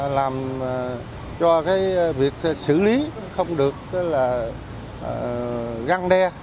làm cho việc xử lý không được găng đe